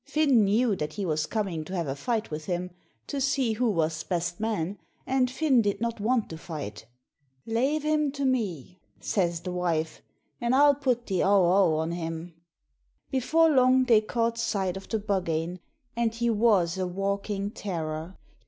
Finn knew that he was coming to have a fight with him, to see who was best man, and Finn did not want to fight. 'Lave him to me,' says the wife; 'an' I'll put the augh augh on him!' Before long they caught sight of the Buggane, and he was a walking terror.